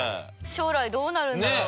将来どうなるんだろう？